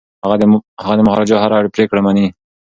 هغه د مهاراجا هره پریکړه مني.